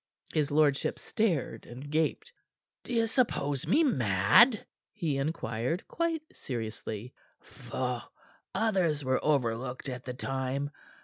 His lordship stared and gaped. "Do you suppose me mad?" he inquired, quite seriously. "Pho! Others were overlooked at the time.